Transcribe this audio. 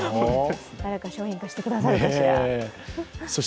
誰か商品化してくださるかしら。